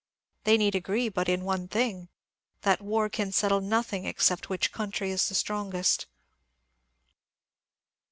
They need agree in but one thing — that war can settle nothing except which country is the strongest.